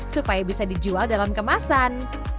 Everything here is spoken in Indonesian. supaya bisa dijual dalam kemasan